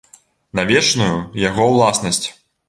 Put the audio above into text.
На вечную яго ўласнасць.